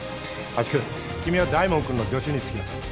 阿智君君は大門君の助手につきなさい。